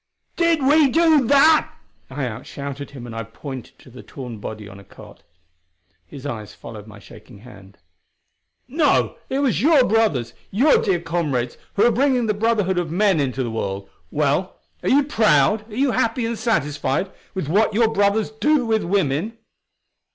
"Did we do that?" I outshouted him, and I pointed to the torn body on a cot. His eyes followed my shaking hand. "No, it was your brothers your dear comrades who are bringing the brotherhood of men into the world! Well, are you proud? Are you happy and satisfied with what your brothers do with women?"